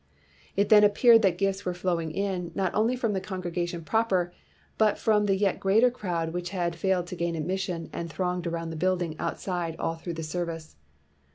It then appeared that gifts were flowing in, not only from the congregation proper, but from the yet greater crowd which had failed to gain ad mission and thronged around the building outside all through the service.